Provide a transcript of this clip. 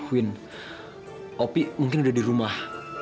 win opi mungkin udah di rumah